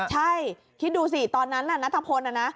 ใช่คิดดูสิตอนนั้นน่ะนัทพลน่ะนะ